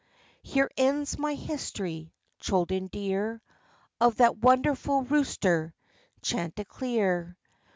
Here ends my history, children dear, Of that wonderful rooster, Chanticleer.